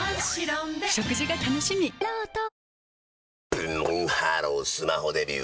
ブンブンハロースマホデビュー！